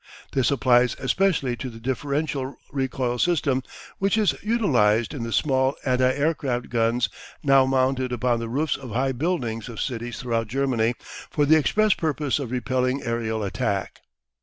This applies especially to the differential recoil system which is utilised in the small anti aircraft guns now mounted upon the roofs of high buildings of cities throughout Germany for the express purpose of repelling aerial attack.